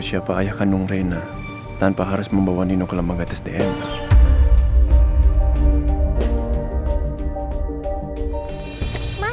siapa ayah kandung reina tanpa harus membawa nino ke lembaga tes sar courtyard dml